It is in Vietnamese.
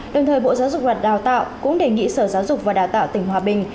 đồng thời bộ giáo dục và đào tạo cũng đề nghị sở giáo dục và đào tạo tỉnh hòa bình